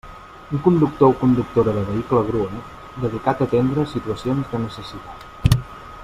Un conductor o conductora de vehicle grua, dedicat a atendre situacions de necessitat.